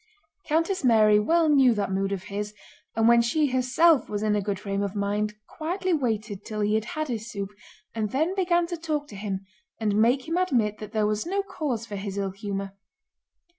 Countess Mary well knew that mood of his, and when she herself was in a good frame of mind quietly waited till he had had his soup and then began to talk to him and make him admit that there was no cause for his ill humor.